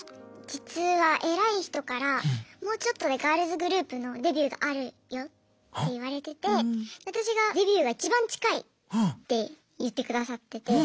実はえらい人からもうちょっとでガールズグループのデビューがあるよって言われてて私がデビューがいちばん近いって言ってくださってて。